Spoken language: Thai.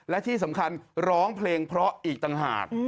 และที่สำคัญร้องเพลงเพราะอีกต่างหาก